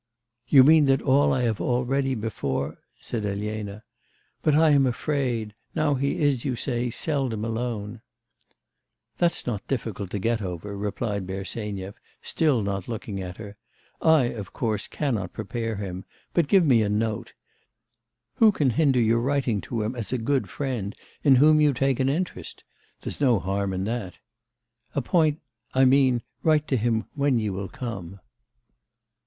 'You mean that I have already before...' said Elena. 'But I am afraid now he is, you say, seldom alone.' 'That's not difficult to get over,' replied Bersenyev, still not looking at her. 'I, of course, cannot prepare him; but give me a note. Who can hinder your writing to him as a good friend, in whom you take an interest? There's no harm in that. Appoint I mean, write to him when you will come.